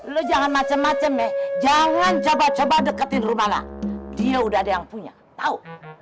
lo jangan macem macem ya jangan coba coba deketin rumahnya dia udah ada yang punya tahu